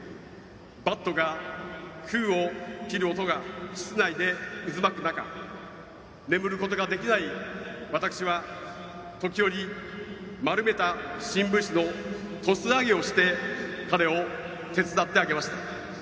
バットが空を切る音が室内で渦巻く中眠ることができない私は時折、丸めた新聞紙のトス上げをして彼を手伝ってあげました。